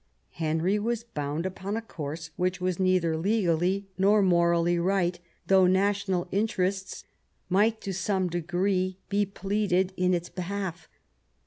Henry was bound upon a course which was neither legally nor morally right, though national interests might to some degree be pleaded in its behalf.